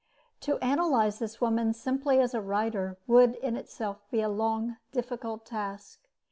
To analyze this woman simply as a writer would in itself be a long, difficult task.